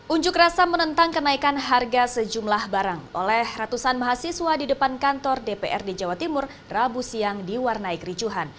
unjuk rasa menentang kenaikan harga sejumlah barang oleh ratusan mahasiswa di depan kantor dprd jawa timur rabu siang diwarnai kericuhan